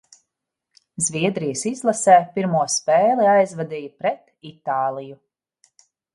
Zviedrijas izlasē pirmo spēli aizvadīja pret Itāliju.